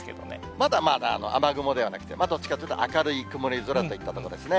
まだまだ雨雲ではなくて、どっちかっていうと明るい曇り空といったところですね。